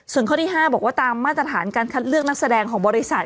ส่วนข้อที่๕บอกว่าตามมาตรฐานการคัดเลือกนักแสดงของบริษัท